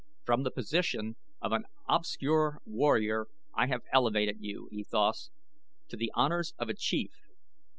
"From the position of an obscure warrior I have elevated you, E Thas, to the honors of a chief.